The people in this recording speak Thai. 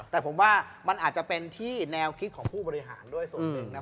แต่ผมว่ามันอาจจะเป็นที่แนวคิดของผู้บริหารด้วยส่วนหนึ่งนะครับ